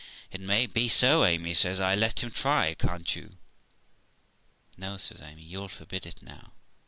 'It may be so, Amy', says I. 'Let him try, can't you?' 'No', says Amy; 'you'll forbid it now.